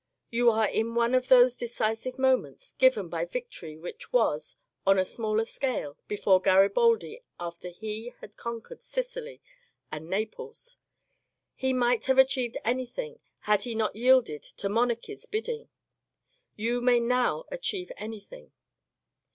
You are in one of those decisive moments given by victory which was — on a smaller scale — before Garibaldi, after he had conquered Sicily and Naples. He might have achieved anything, had he not yielded to monarchies' bidding; you may now achieve anything.